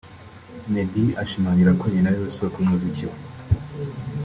Meddy ashimangira ko nyina ari we soko y’umuziki we